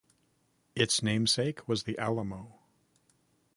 Its namesake was the Alamo.